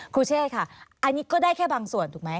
เชศค่ะอันนี้ก็ได้แค่บางส่วนถูกไหม